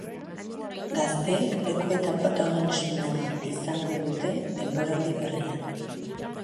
Gazteek leku eta protagonismoa izango dute denboraldi berrian.